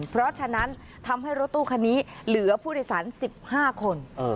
เพราะฉะนั้นทำให้รถตู้คันนี้เหลือผู้โดยสาร๑๕คน